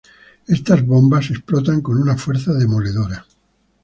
Estas "bombas" explotan con una fuerza demoledora.